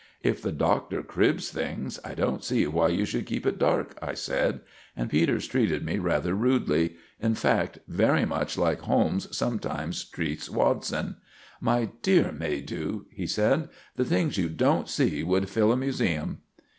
"If the Doctor cribs things, I don't see why you should keep it dark," I said; and Peters treated me rather rudely—in fact, very much like Holmes sometimes treats Watson. "My dear Maydew," he said, "the things you don't see would fill a museum."